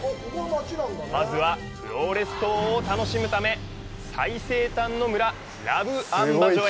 まずはフローレス島を楽しむため、最西端の村、ラブアンバジョへ！